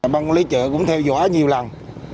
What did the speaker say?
băng lý chợ cũng theo dõi nhiều lần